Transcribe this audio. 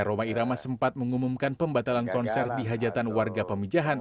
roma irama sempat mengumumkan pembatalan konser di hajatan warga pemijahan